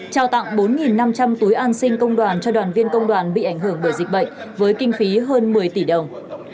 trao tặng bốn năm trăm linh túi an sinh công đoàn cho đoàn viên công đoàn bị ảnh hưởng bởi dịch bệnh với kinh phí hơn một mươi tỷ đồng